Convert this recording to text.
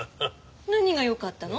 何がよかったの？